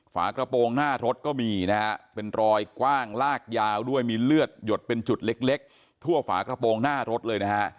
ฝากระโปรงหน้ารถก็มีนะฮะเป็นรอยกว้างลากยาวด้วยมีเลือดหยดเป็นจุดเล็กทั่วฝากระโปรงหน้ารถเลยนะฮะ